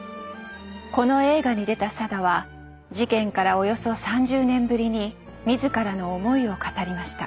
この映画に出た定は事件からおよそ３０年ぶりに自らの思いを語りました。